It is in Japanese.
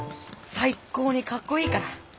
最高に格好いいから。